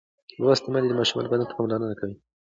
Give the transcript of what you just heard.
لوستې میندې د ماشوم بدن ته پاملرنه کوي.